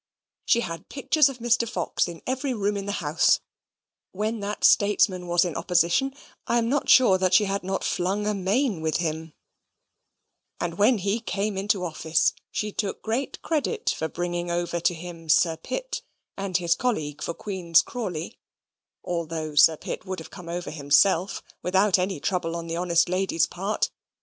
She had pictures of Mr. Fox in every room in the house: when that statesman was in opposition, I am not sure that she had not flung a main with him; and when he came into office, she took great credit for bringing over to him Sir Pitt and his colleague for Queen's Crawley, although Sir Pitt would have come over himself, without any trouble on the honest lady's part.